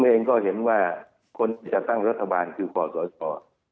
ผมเองก็เห็นว่าคนที่จะตั้งรัฐบาลคือขอตรวจต่อ